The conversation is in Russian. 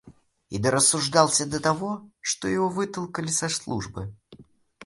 И дорассуждался до того, что его вытолкали со службы.